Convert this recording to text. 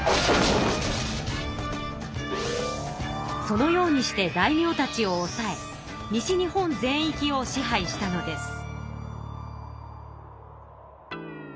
そのようにして大名たちをおさえ西日本全いきを支配したのです。